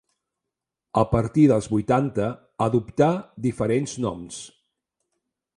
A partir dels vuitanta adoptà diferents noms.